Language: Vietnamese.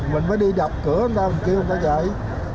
mình mới đi đập cửa người ta mình kêu không có dậy